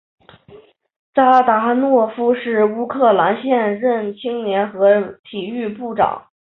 扎达诺夫是乌克兰现任青年和体育部长。